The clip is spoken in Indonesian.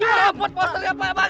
udah liat rambut posternya pak bangas